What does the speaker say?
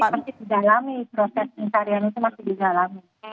ini masih digalami proses pencarian itu masih digalami